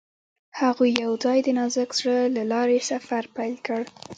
هغوی یوځای د نازک زړه له لارې سفر پیل کړ.